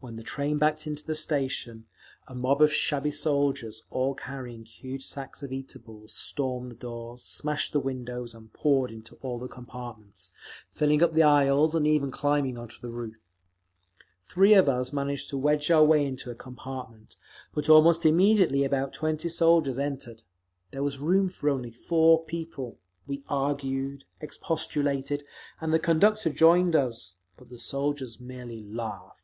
When the train backed into the station, a mob of shabby soldiers, all carrying huge sacks of eatables, stormed the doors, smashed the windows, and poured into all the compartments, filling up the aisles and even climbing onto the roof. Three of us managed to wedge our way into a compartment, but almost immediately about twenty soldiers entered…. There was room for only four people; we argued, expostulated, and the conductor joined us—but the soldiers merely laughed.